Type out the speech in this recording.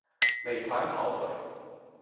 美团跑腿